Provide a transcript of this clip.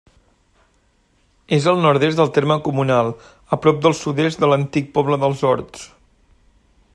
És al nord-est del terme comunal, a prop al sud-est de l'antic poble dels Horts.